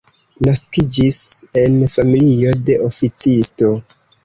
Naskiĝis en familio de oficisto.